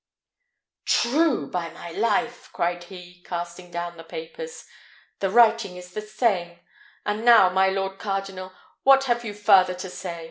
"True, by my life!" cried he, casting down the papers. "The writing is the same; and now, my lord cardinal, what have you farther to say?